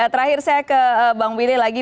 terakhir saya ke bang willy lagi